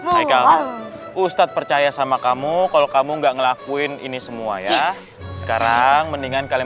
hai ustadz percaya sama kamu kalau kamu nggak ngelakuin ini semua ya sekarang mendingan kalian